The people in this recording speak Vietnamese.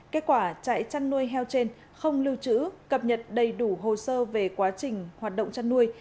kết quả trại chăn nuôi heo trên không lưu trữ cập nhật đầy đủ hồ sơ về quá trình hoạt động chăn nuôi